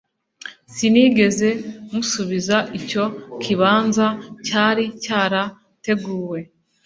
Sinigeze musubiza Icyo kibanza cyari cyarateguwe